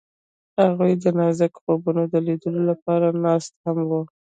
هغوی د نازک خوبونو د لیدلو لپاره ناست هم وو.